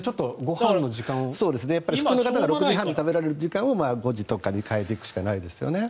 普通の方が６時半とかに食べられる時間を５時とかに変えていくしかない。